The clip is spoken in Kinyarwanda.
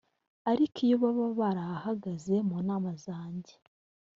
ariko iyo baba barahagaze mu nama zanjye